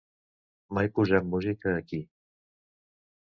Mai posem música aquí.